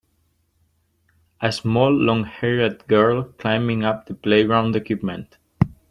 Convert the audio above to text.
A small longhaired girl climbing up the playground equipment.